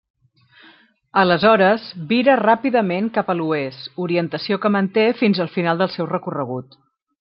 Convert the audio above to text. Aleshores vira ràpidament cap a l'oest, orientació que manté fins al final del seu recorregut.